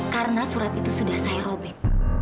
karena surat itu sudah saya robek